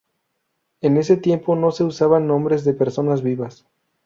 En ese tiempo no se usaban nombres de personas vivas.